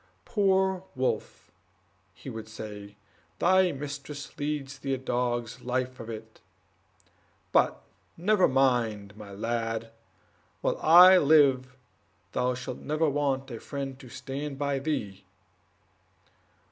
"Poor Wolf," he would say, "thy mistress leads thee a dog's life of it; but never mind, my lad, whilst I live thou shalt never want a friend to stand by thee!"